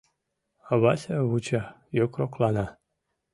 Вася вуча, йокроклана.